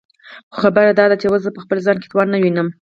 خو خبره داده چې زه اوس په خپل ځان کې توان نه وينم.